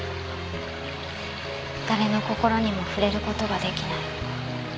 誰の心にも触れる事が出来ない。